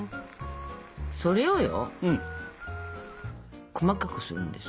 それをよ細かくするんですよ。